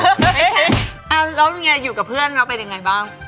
แล้วไงอยู่กับเพื่อนแล้วเป็นยังไงบ้าง